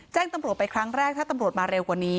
แจ้งตำรวจไปครั้งแรกถ้าตำรวจมาเร็วกว่านี้